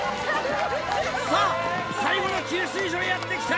さぁ最後の給水所へやって来た！